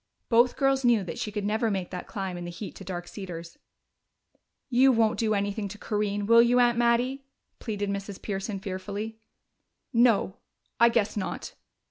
Both girls knew that she could never make that climb in the heat to Dark Cedars. "You won't do anything to Corinne, will you, Aunt Mattie?" pleaded Mrs. Pearson fearfully. "No I guess not.